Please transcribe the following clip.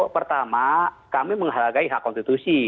pertama kami menghargai hak konstitusi